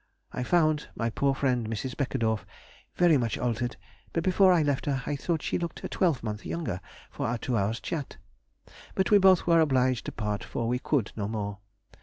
I found my poor friend [Mrs. Beckedorff] very much altered, but before I left her I thought she looked a twelvemonth younger for our two hours' chat. But we both were obliged to part, for we could no more.